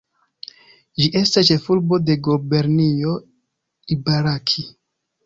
Ĝi estas ĉefurbo de gubernio Ibaraki.